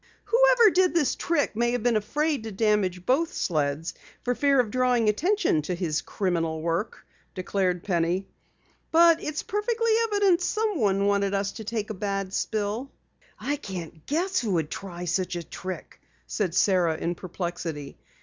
"Whoever did the trick may have been afraid to damage both sleds for fear of drawing attention to his criminal work," declared Penny. "But it's perfectly evident someone wanted us to take a bad spill." "I can't guess who would try such a trick," said Sara in perplexity.